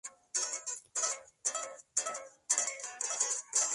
Emigró de joven a Vizcaya, dónde trabajó como obrero metalúrgico.